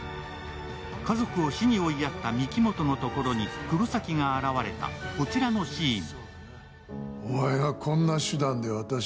家族を死に追いやった御木本のとこに黒崎が現れた、こちらのシーン。